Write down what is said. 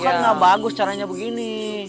kan nggak bagus caranya begini